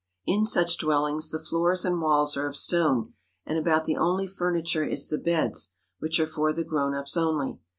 In such dwellings the floors and walls are of stone, and about the only fur niture is the beds, which are for the grown ups only.